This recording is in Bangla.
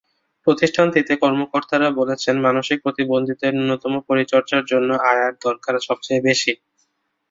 প্রতিষ্ঠানটিতে কর্মকর্তারা বলছেন, মানসিক প্রতিবন্ধীদের ন্যূনতম পরিচর্যার জন্য আয়ার দরকার সবচেয়ে বেশি।